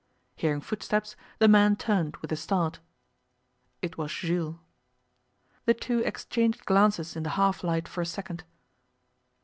Hearing footsteps, the man turned with a start. It was Jules. The two exchanged glances in the half light for a second.